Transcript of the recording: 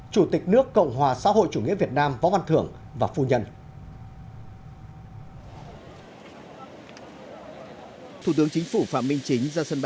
chủ tịch nước cộng hòa xã hội chủ nghĩa việt nam võ văn thưởng và phu nhân